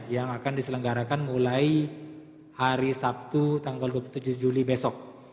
yang akan diselenggarakan mulai hari sabtu tanggal dua puluh tujuh juli besok